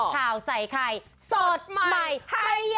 ข่าวใส่ใครสดใหม่ให้เยอะ